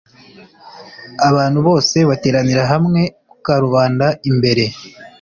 Abantu bose bateranira hamwe ku karubanda imbere